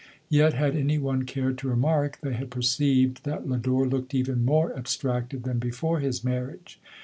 Yet had any one cared to remark, they had perceived that Lodore looked even more ab stracted than before his marriage.